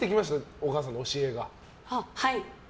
お母さんの教えが？